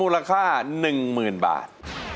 ราคาหนึ่งหมื่นบาท